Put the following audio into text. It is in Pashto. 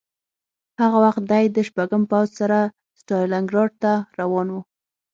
هغه وخت دی د شپږم پوځ سره ستالینګراډ ته روان و